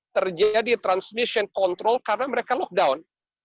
terjadi transmission control karena mereka lockdown